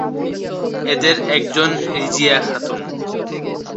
এদের একজন রিজিয়া খাতুন।